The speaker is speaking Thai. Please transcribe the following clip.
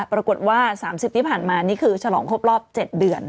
ปรากฏว่า๓๐ที่ผ่านมานี่คือฉลองครบรอบ๗เดือน